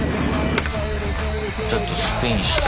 ちょっとスピンして。